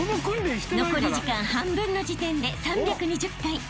［残り時間半分の時点で３２０回］